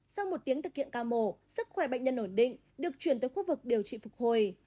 sau một tiếng thực hiện ca mổ sức khỏe bệnh nhân ổn định được chuyển tới khu vực điều trị phục hồi